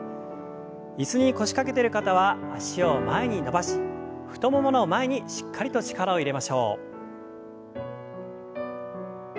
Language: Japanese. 椅子に腰掛けてる方は脚を前に伸ばし太ももの前にしっかりと力を入れましょう。